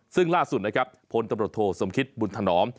ซึ่งล่าสุดพลตบรรทโทษมคิดบุญถนอม